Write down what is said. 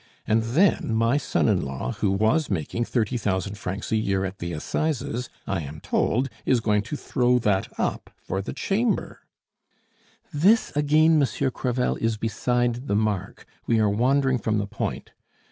And then my son in law, who was making thirty thousand francs a year at the Assizes, I am told, is going to throw that up for the Chamber " "This, again, Monsieur Crevel, is beside the mark; we are wandering from the point.